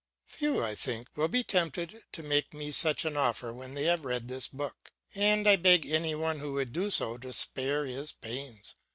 Few, I think, will be tempted to make me such an offer when they have read this book, and I beg any one who would do so to spare his pains.